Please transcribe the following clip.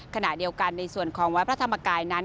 ขณะเดียวกันในส่วนของวัดพระธรรมกายนั้น